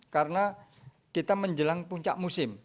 karena kita menjelang puncak musim